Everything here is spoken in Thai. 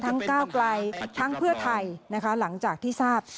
ทั้งเก้าไกลทั้งเพื่อไทยหลังจากที่ทราบ